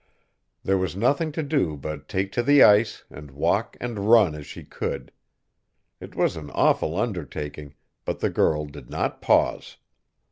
There was nothing to do but take to the ice, and walk and run as she could! It was an awful undertaking, but the girl did not pause.